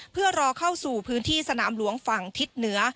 เพื่อรอเข้าสู่พื้นที่สนามหลวงฝั่งทิศเหนือ